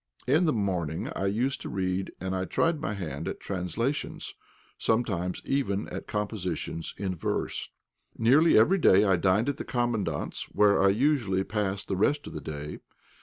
In the morning I used to read, and I tried my hand at translations, sometimes even at compositions in verse. Nearly every day I dined at the Commandant's, where I usually passed the rest of the day.